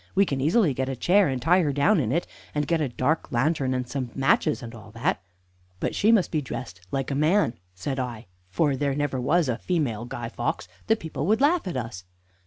We can easily get a chair and tie her down in it, and get a dark lantern and some matches and all that." "But she must be dressed like a man," said I; "there never was a female Guy Fawkes. The people would laugh at us."